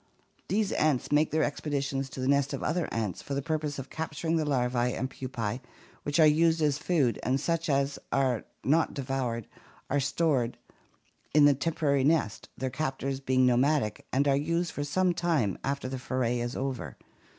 These ants make their expeditions to the nest of other ants for the purpose of capturing the larvae and pupae which are used as food, and such as are not devoured are stored in the temporary nest, their captors being nomadic, and are used for some time after the foray is over.